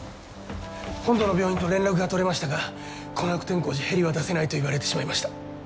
本土の病院と連絡が取れましたがこの悪天候じゃヘリは出せないと言われてしまいました。